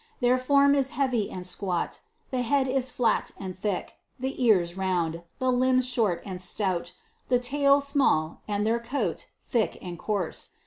Their form is heavy and squat ; the head is flat and thick, the ears round, the limbs short and stout, the tail small, and their coat thick and coarse.